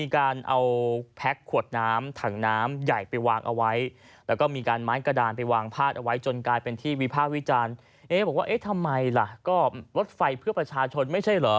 ข้าวิจารณ์เอ๊ะบอกว่าเอ๊ะทำไมล่ะก็รถไฟเพื่อประชาชนไม่ใช่เหรอ